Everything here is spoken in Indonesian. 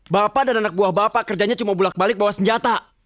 bapak dan anak buah bapak kerjanya cuma bulat balik bawa senjata